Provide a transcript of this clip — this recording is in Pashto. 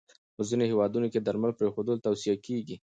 په ځینو هېوادونو کې درمل پرېښودل توصیه کېږي.